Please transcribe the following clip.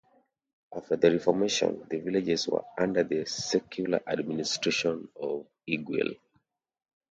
After the Reformation, the villages were under the secular administration of Erguel.